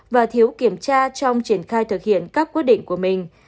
và thiếu kiểm tra trong triển khai thực hiện các quyết định của mình